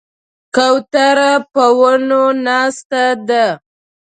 کوتره په ونو ناسته ده.